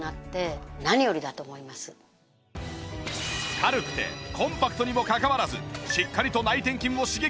軽くてコンパクトにもかかわらずしっかりと内転筋を刺激！